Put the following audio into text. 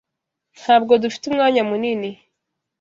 Ntabwo dufite umwanya munini.